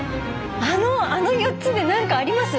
あの４つで何かあります？